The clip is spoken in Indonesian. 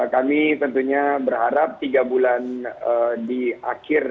kami tentunya berharap tiga bulan di akhir